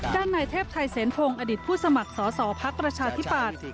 การนายเทพไทยเศรษฐพงษ์อดิตผู้สมัครสอสอภักรชาธิปัตร